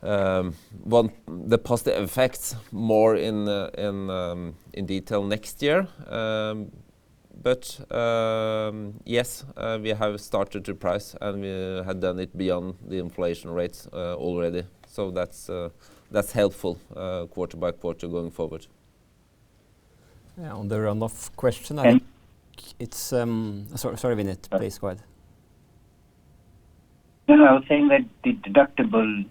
one, the positive effects more in detail next year. Yes, we have started to price, and we have done it beyond the inflation rates already. That's helpful, quarter-by-quarter going forward. Yeah, on the run-off question. And- Sorry, sorry, Vinit. Please, go ahead. No, no. I was saying that the deductible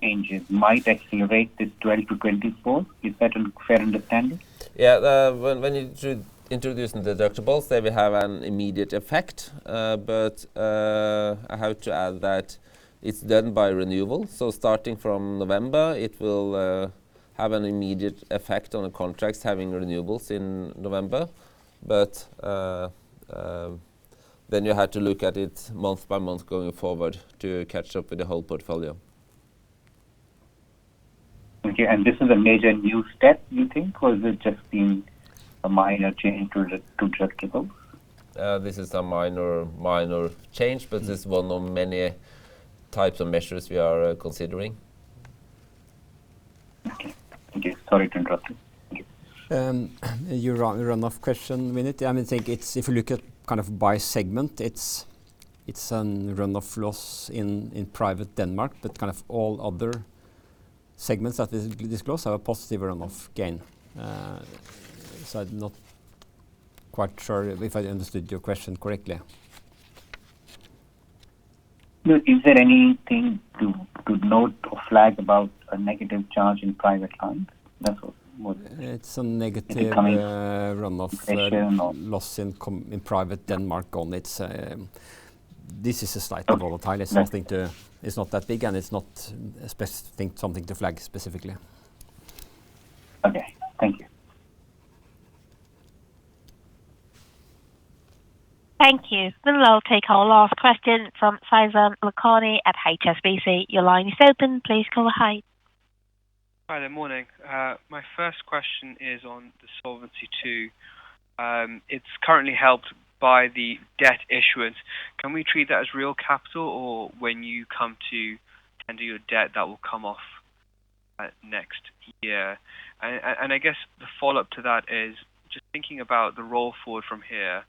changes might accelerate this 20-24. Is that a fair understanding? Yeah. When you introduce the deductibles, they will have an immediate effect, but I have to add that it's done by renewal. Starting from November, it will have an immediate effect on the contracts having renewals in November. You have to look at it month by month, going forward, to catch up with the whole portfolio. This is a major new step, you think, or is it just being a minor change to trackable? This is a minor, minor change, but it's one of many types of measures we are considering. Okay. Thank you. Sorry to interrupt you. Thank you. Your run-off question, Vinit. I mean, think it's if you look at kind of by segment, it's run-off loss in Private Denmark, but kind of all other segments that is disclosed have a positive run-off gain. I'm not quite sure if I understood your question correctly. No. Is there anything to note or flag about a negative charge in Private Denmark? Its a negative run-off loss in Private Denmark. This is a slight volatile. It's not that big, and it's not specific, something to flag specifically. Okay. Thank you. Thank you. I'll take our last question from Faizan Lakhani at HSBC. Your line is open, please go ahead. Hi there. Morning. My first question is on the Solvency II. It's currently helped by the debt issuance. Can we treat that as real capital, or when you come to tender your debt, that will come off at next year? I guess the follow-up to that is just thinking about the roll forward from here.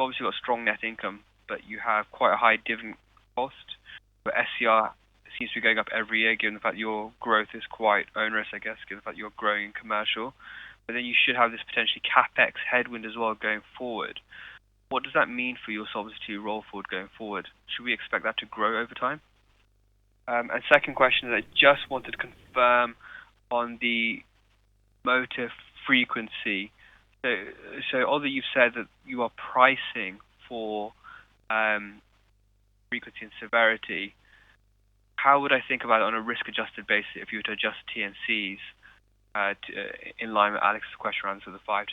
Obviously, you've got strong net income, but you have quite a high dividend cost, but SCR seems to be going up every year, given the fact your growth is quite onerous, I guess, given the fact you're growing commercial. Then you should have this potentially CapEx headwind as well, going forward. What does that mean for your Solvency roll forward, going forward? Should we expect that to grow over time? Second question is, I just wanted to confirm on the motor frequency. So although you've said that you are pricing for frequency and severity, how would I think about it on a risk-adjusted basis if you were to adjust T&Cs to in line with Alex's question around to the 5%-7%?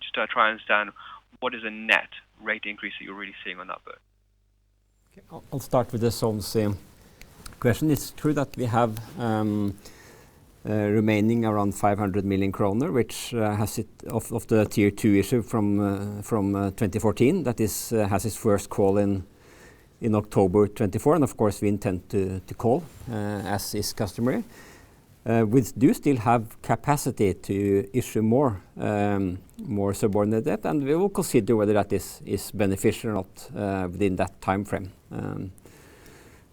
Just to try and understand what is a net rate increase that you're really seeing on that book. Okay. I'll start with the Solvency question. It's true that we have remaining around 500 million kroner, which has it of the Tier 2 issue from 2014. That is, has its first call in October 2024, and of course, we intend to call as is customary. We do still have capacity to issue more subordinate debt, and we will consider whether that is beneficial or not within that timeframe.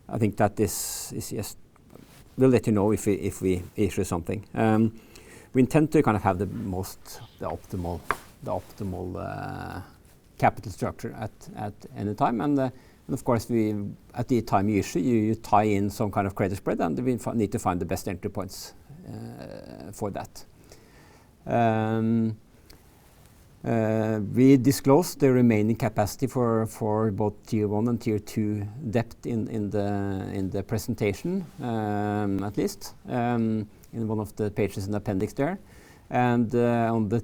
I think that is yes. We'll let you know if we issue something. (inaudible) Tier 1 and Tier 2 in the presentation. (inaudible) NOK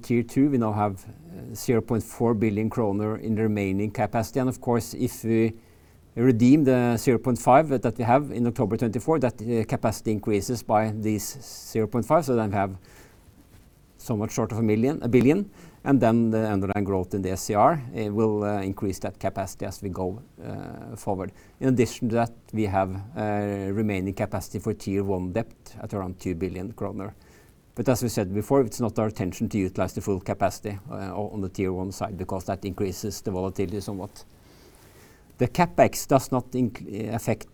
0.4 billion in remaining. (inaudible) We have so much short of 1 million, 1 billion, and then the underlying growth in the SCR, it will increase that capacity as we go forward. In addition to that, we have remaining capacity for Tier 1 debt at around 2 billion kroner. As we said before, it's not our intention to utilize the full capacity on the Tier 1 side, because that increases the volatility somewhat. The CapEx does not affect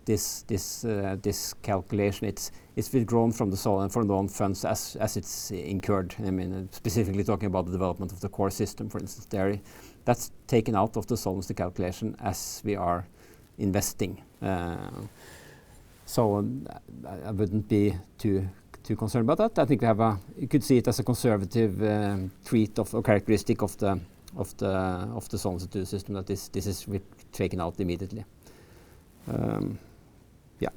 this calculation. It's been grown from the Solvency and from the own funds as it's incurred. I mean, specifically talking about the development of the core system, for instance, there. That's taken out of the Solvency calculation as we are investing. I wouldn't be too concerned about that. You could see it as a conservative treat of or characteristic of the Solvency II system, that this is we've taken out immediately. Yeah.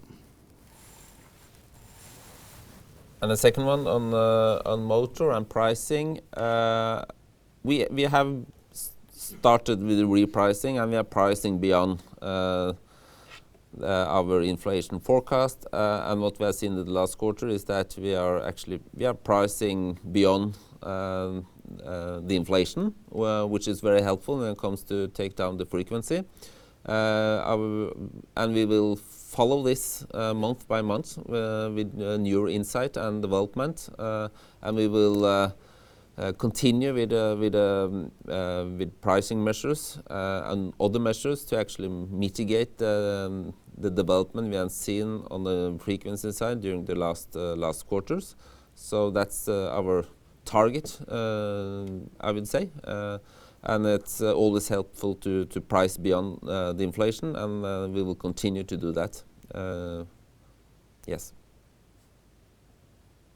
The second one on motor and pricing. We have started with the repricing, and we are pricing beyond our inflation forecast. What we have seen in the last quarter is that we are actually pricing beyond the inflation, which is very helpful when it comes to take down the frequency. We will follow this month by month with new insight and development. We will continue with pricing measures and other measures to actually mitigate the development we have seen on the frequency side during the last quarters. That's our target, I would say, and it's always helpful to price beyond the inflation, and we will continue to do that. Uh, yes.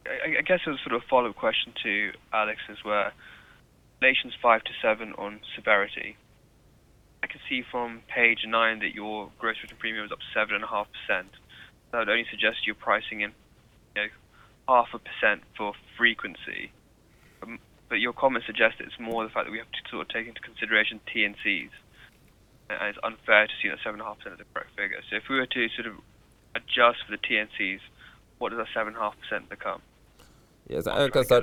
I guess as a sort of follow-up question to Alex's questions 5-7 on severity. I can see from page nine that your gross written premium is up 7.5%. That would only suggest you're pricing in, you know, 0.5% for frequency. Your comments suggest it's more the fact that we have to sort of take into consideration T&Cs, and it's unfair to see the 7.5% of the correct figure. If we were to sort of adjust for the T&Cs, what does the 7.5% become? Yes, like I said,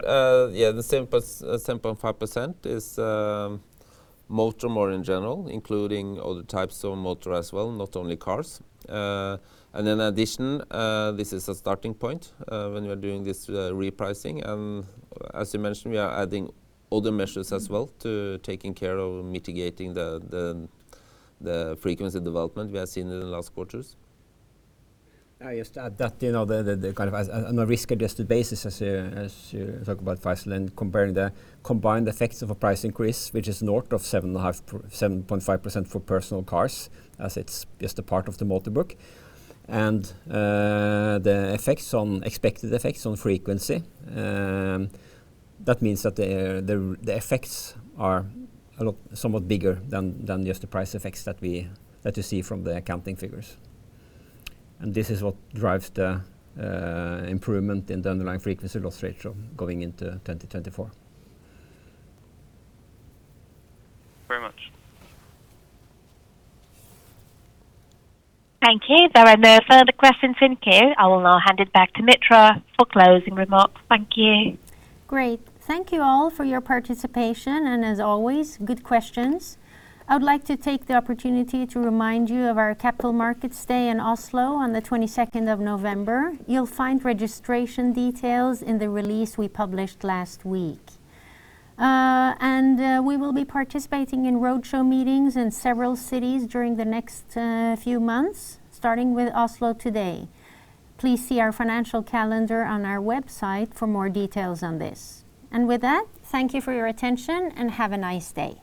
yeah, the 7%+, 7.5% is motor more in general, including all the types of motor as well, not only cars. In addition, this is a starting point when we are doing this repricing. As you mentioned, we are adding other measures as well to taking care of mitigating the frequency development we have seen in the last quarters. I just add that, you know, the, the, the kind of as on a risk-adjusted basis, as you, as you talk about price and comparing the combined effects of a price increase, which is north of 7.5%, 7.5% for personal cars, as it's just a part of the motor book. The effects on expected effects on frequency, that means that the, the, the effects are a lot somewhat bigger than just the price effects that we, that you see from the accounting figures. This is what drives the improvement in the underlying frequency loss ratio going into 2024. Very much. Thank you. There are no further questions in queue. I will now hand it back to Mitra for closing remarks. Thank you. Great. Thank you all for your participation, and as always, good questions. I would like to take the opportunity to remind you of our Capital Markets Day in Oslo on November 22nd. You'll find registration details in the release we published last week. We will be participating in roadshow meetings in several cities during the next few months, starting with Oslo today. Please see our financial calendar on our website for more details on this. With that, thank you for your attention and have a nice day.